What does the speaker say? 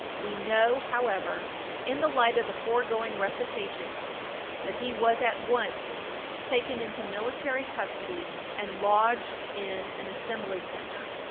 We know, however, in the light of the foregoing recitation, that he was at once taken into military custody and lodged in an Assembly Center.